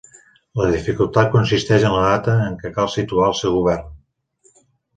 La dificultat consisteix en la data en què cal situar el seu govern.